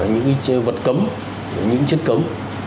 những vật cấm những chất cấm